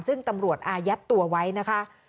ซึ่งตำรวจอายัดตัวไว้นะคะ